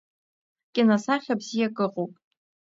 Киносахьа бзиак ыҟоуп.